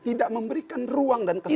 tidak memberikan ruang dan kesempatan